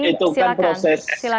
sebentar prof deni silakan